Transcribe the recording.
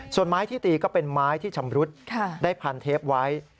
ส่วนไม้ที่ตีก็เป็นไม้ที่ชำรุดได้พันเทปไว้